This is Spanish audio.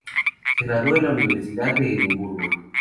Se graduó de la Universidad de Edimburgo.